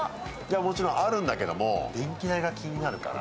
もちろんあるんだけれども、電気代が気になるから。